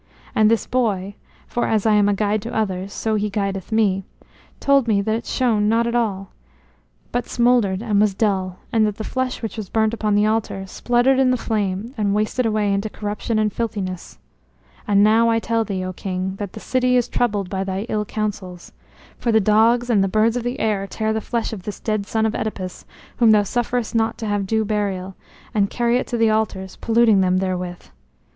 And this boy, for as I am a guide to others so he guideth me, told me that it shone not at all, but smouldered and was dull, and that the flesh which was burnt upon the altar spluttered in the flame and wasted away into corruption and filthiness. And now I tell thee, O King, that the city is troubled by thy ill counsels. For the dogs and the birds of the air tear the flesh of this dead son of Œdipus, whom thou sufferest not to have due burial, and carry it to the altars, polluting them therewith.